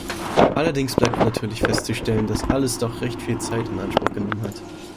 Allerdings bleibt natürlich festzustellen, dass alles doch recht viel Zeit in Anspruch genommen hat.